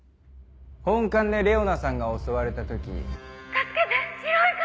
本館でレオナさんが襲われた時。